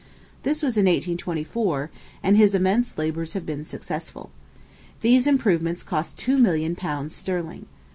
This was in 1824, and his immense labors have been successful. These improvements cost two million pounds sterling.